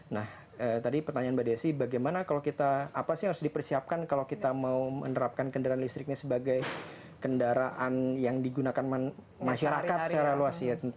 nah tadi pertanyaan mbak desi bagaimana kalau kita apa sih harus dipersiapkan kalau kita mau menerapkan kendaraan listriknya sebagai kendaraan yang digunakan masyarakat secara luas ya